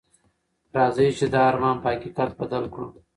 راځئ چې دا ارمان په حقیقت بدل کړو.